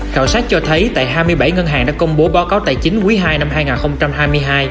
khảo sát cho thấy tại hai mươi bảy ngân hàng đã công bố báo cáo tài chính quý ii năm hai nghìn hai mươi hai